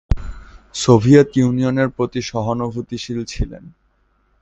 Soviet ইউনিয়নের প্রতি সহানুভূতিশীল ছিলেন।